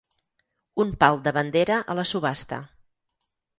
Un pal de bandera a la subhasta.